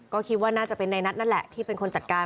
ก็คิดว่าน่าจะเป็นในนัทนั่นแหละที่เป็นคนจัดการ